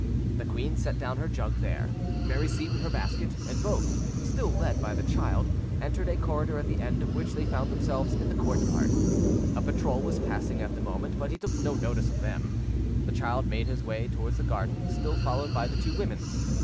The queen set down her jug there, Mary Seyton her basket, and both, still led by the child, entered a corridor at the end of which they found themselves in the courtyard. A patrol was passing at the moment, but he took no notice of them. The child made his way towards the garden, still followed by the two women.